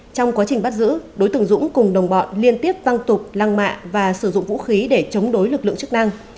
trong quá trình bắt giữ đối tượng dũng cùng đồng bọn liên tiếp văn tục lăng mạ và sử dụng vũ khí để chống đối lực lượng chức năng